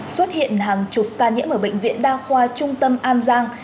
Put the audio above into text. xuất hiện hàng chục ca nhiễm ở bệnh viện đa khoa trung tâm an giang